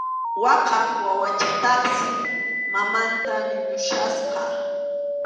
Waqaq wawachataqsi mamanta ñuñuchkasqa.